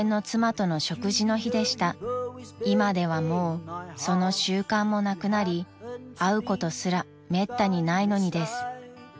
［今ではもうその習慣もなくなり会うことすらめったにないのにです］